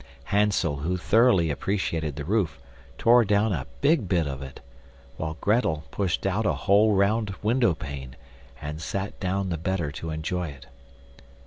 Hansel, who thoroughly appreciated the roof, tore down a big bit of it, while Grettel pushed out a whole round window pane, and sat down the better to enjoy it.